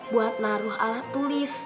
buat naruh alat tulis